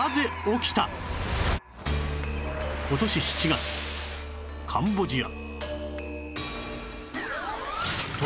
今年７月カンボジア